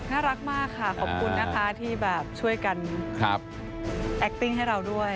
น่ารักมากค่ะขอบคุณนะคะที่แบบช่วยกันแอคติ้งให้เราด้วย